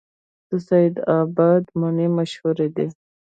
د سید اباد مڼې مشهورې دي